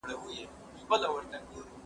زه له سهاره زدکړه کوم؟!